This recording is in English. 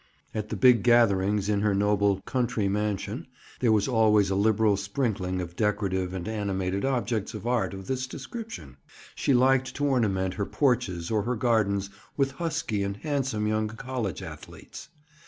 At the big gatherings in her noble country mansion, there was always a liberal sprinkling of decorative and animated objects of art of this description. She liked to ornament her porches or her gardens with husky and handsome young college athletes.